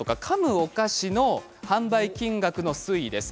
お菓子の販売金額の推移です。